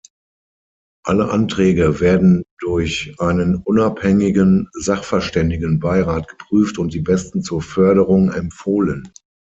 Alle Anträge werden durch einen unabhängigen Sachverständigenbeirat geprüft und die besten zur Förderung empfohlen.